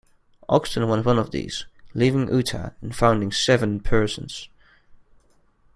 Ogston was one of these, leaving Utah and founding Seven Persons.